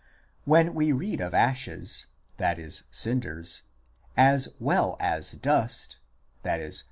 When we read of ashes (i.e. cinders) as well as dust (i.e.